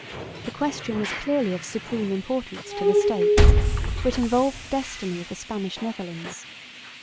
The question was clearly of supreme importance to the States, for it involved the destiny of the Spanish Netherlands.